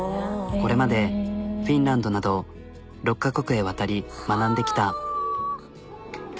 これまでフィンランドなど６カ国へ渡り学んできた。